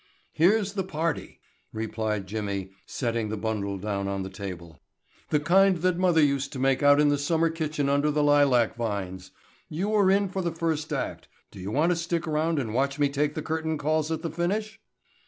"Here's the party," replied Jimmy setting the bundle down on the table. "The kind that mother used to make out in the summer kitchen under the lilac vines. You were in for the first act. Do you want to stick around and watch me take the curtain calls at the finish?"